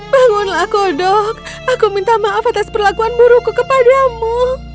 bangunlah kodok aku minta maaf atas perlakuan burukku kepadamu